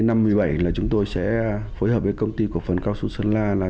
năm hai nghìn một mươi bảy chúng tôi sẽ phối hợp với công ty cổ vận cao su sơn la